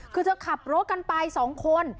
คือจะขับรถกันไปสองคน